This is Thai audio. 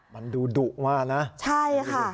มันดูดุมากนะใช่ค่ะ